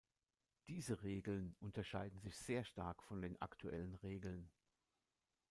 Diese Regeln unterschieden sich sehr stark von den aktuellen Regeln.